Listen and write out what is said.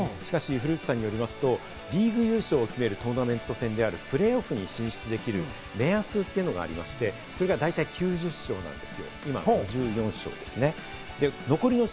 古内さんによりますと、リーグ優勝を決めるトーナメント戦であるプレーオフに進出できる目安ってのがありまして、それが大体９０勝なんです。